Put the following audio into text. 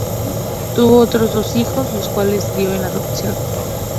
Tuvo otros dos hijos, los cuales dio en adopción.